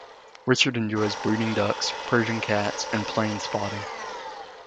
Richard enjoys breeding ducks, Persian Cats and plane spotting.